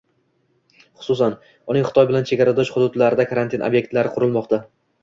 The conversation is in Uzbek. Xususan, uning Xitoy bilan chegaradosh hududlarida karantin obyektlari qurilmoqda